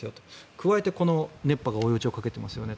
加えて熱波が追い打ちをかけていますよね。